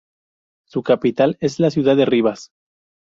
Su capital es la ciudad de Rivas.